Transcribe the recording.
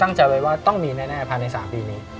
ตั้งใจไว้ว่าต้องมีแน่ภาพใน๓ปีนี้